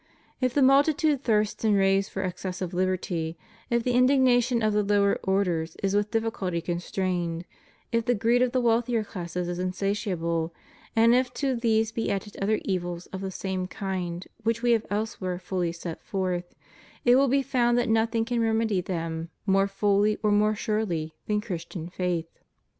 If the multitude thirsts and raves for excessive liberty; if the indignation of the lower orders is with difficulty constrained; if the greed of the wealthier classes is insatiable, and if to these be added other evils of the same kind which We have elsewhere fully set forth, it will be found that nothing can remedy them more fully or more surely than Christian faith.